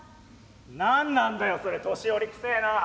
「何なんだよそれ年寄りくせえな。